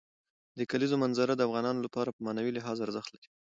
د کلیزو منظره د افغانانو لپاره په معنوي لحاظ ارزښت لري.